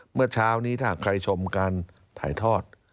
เมื่อเช้านี้ถ้าใครชมการถ่ายทอด